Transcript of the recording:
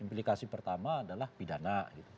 implikasi pertama adalah pidana